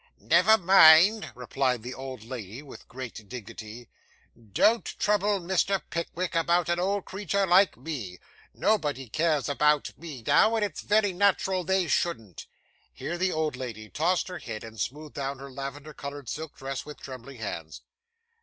'Never mind,' replied the old lady, with great dignity. 'Don't trouble Mr. Pickwick about an old creetur like me. Nobody cares about me now, and it's very nat'ral they shouldn't.' Here the old lady tossed her head, and smoothed down her lavender coloured silk dress with trembling hands.